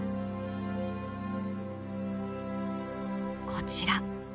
こちら。